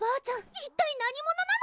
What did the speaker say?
一体何者なの？